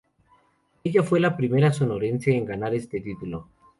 Ella fue la primera Sonorense en ganar este título.